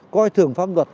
coi thường pháp luật